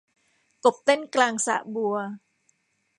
กบเต้นกลางสระบัว